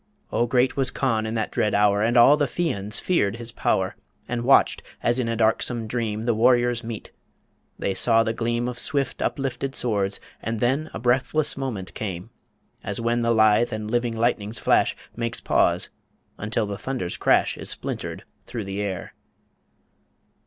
O great was Conn in that dread hour, And all the Fians feared his power, And watched, as in a darksome dream, The warriors meet ... They saw the gleam Of swift, up lifted swords, and then A breathless moment came, as when The lithe and living lightning's flash Makes pause, until the thunder's crash Is splintered through the air.